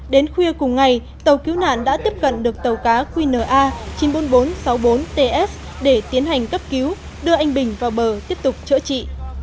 trên khuya cùng ngày tàu cứu nạn đã tiếp cận được tàu cá qna chín trăm bốn mươi bốn sáu mươi bốn ts để tiến hành cấp cứu đưa anh bình vào bờ tiếp tục chữa trị